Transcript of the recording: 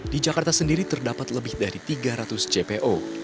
di jakarta sendiri terdapat lebih dari tiga ratus jpo